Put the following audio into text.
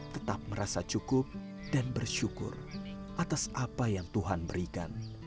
tetap merasa cukup dan bersyukur atas apa yang tuhan berikan